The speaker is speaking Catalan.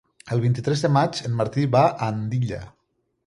El vint-i-tres de maig en Martí va a Andilla.